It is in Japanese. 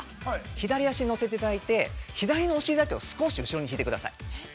左足に乗せていただいて、左のお尻だけを少し後ろに引いてください。